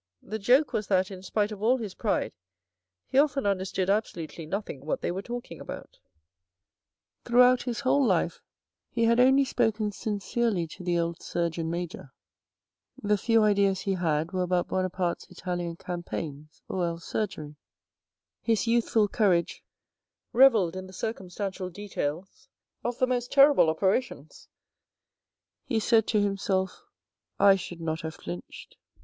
" The joke was that, in spite of all his pride, he often understood absolutely nothing what they were talking about. 44 THE RED AND THE BLACK Throughout his whole life he had only spoken sincerely to the old Surgeon Major. The few ideas he had were about Buonaparte's Italian Campaigns or else surgery. His youthful courage revelled in the circumstantial details of the most terrible operations. He said to himself. " I should not have flinched."